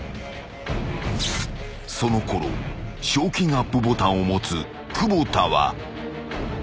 ［そのころ賞金アップボタンを持つ久保田は］